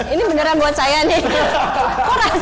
ini beneran buat saya nih